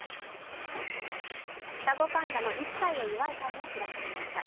双子パンダの１歳を祝う会が開かれました。